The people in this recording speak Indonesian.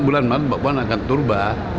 bulan maret mbak puan akan turbah